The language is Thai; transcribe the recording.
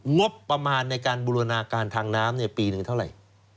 งบประมาณในการบูรณาการทางน้ำปีหนึ่งเท่าไหร่